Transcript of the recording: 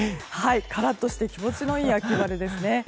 カラッとして気持ちのいい秋晴れですね。